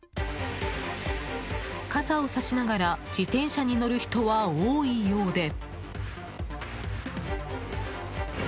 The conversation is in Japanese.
傘をさしながら自転車に乗る人は多いようで。